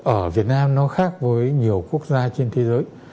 ở việt nam nó khác với nhiều quốc gia trên thế giới